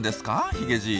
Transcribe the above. ヒゲじい。